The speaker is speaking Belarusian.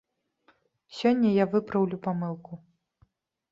Сёння я выпраўлю памылку.